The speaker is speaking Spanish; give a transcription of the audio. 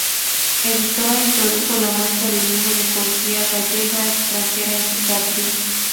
Editó e introdujo la muestra bilingüe de poesía gallega "Extranjera en su patria.